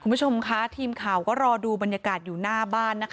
คุณผู้ชมทีมข่าวรอดูบรรยากาศอยู่หน้าบ้าน